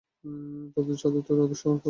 তাদের সাধুত্বের আদর্শ ঐ পর্যন্ত।